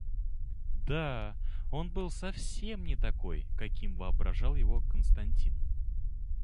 Да, он был совсем не такой, каким воображал его Константин.